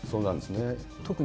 そうなんですね。